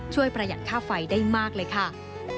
ประหยัดค่าไฟได้มากเลยค่ะ